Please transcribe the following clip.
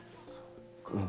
うん。